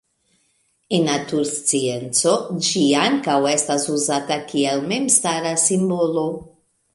En naturscienco ĝi ankaŭ estas uzata kiel memstara simbolo.